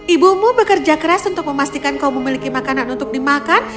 ibumu bekerja keras untuk memastikan kau memiliki makanan untuk dimakan